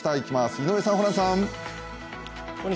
井上さん、ホランさん。